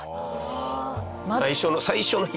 最初の火。